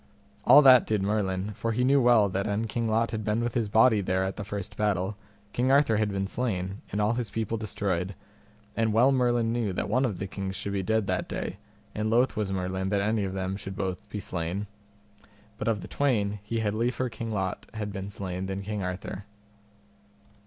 All that did Merlin, for he knew well that an King Lot had been with his body there at the first battle, King Arthur had been slain, and all his people destroyed; and well Merlin knew that one of the kings should be dead that day, and loath was Merlin that any of them both should be slain; but of the twain, he had liefer King Lot had been slain than King Arthur.